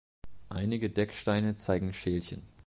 Einige Decksteine zeigen Schälchen.